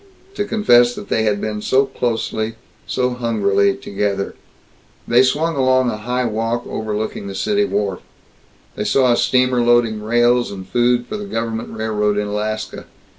to confess that they had been so closely, so hungrily together. They swung along a high walk overlooking the city wharf. They saw a steamer loading rails and food for the government railroad in Alaska.